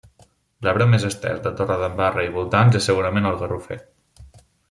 L'arbre més estès de Torredembarra i voltants és segurament el garrofer.